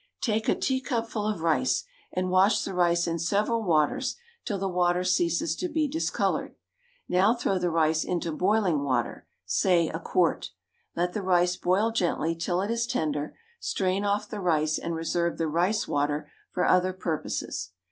Take a teacupful of rice and wash the rice in several waters till the water ceases to be discoloured. Now throw the rice into boiling water, say a quart; let the rice boil gently till it is tender, strain off the rice and reserve the rice water for other purposes.